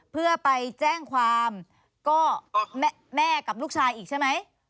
เพื่อไปแจ้งความก็แม่กับลูกชายอีกใช่ไหม